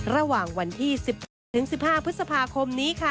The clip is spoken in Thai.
ระหว่างวันที่๑๗๑๕พฤษภาคมนี้ค่ะ